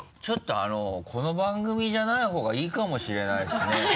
ちょっとこの番組じゃないほうがいいかもしれないですね。